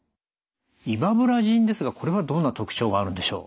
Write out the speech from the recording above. イバブラジンですがこれはどんな特徴があるんでしょう？